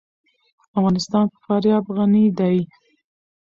افغانستان په فاریاب غني دی.